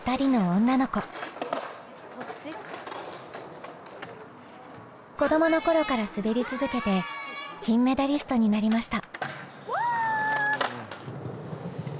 子供の頃から滑り続けて金メダリストになりました。